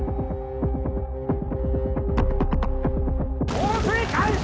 放水開始！